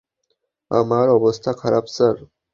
আমার অবস্থা খারাপ স্যার।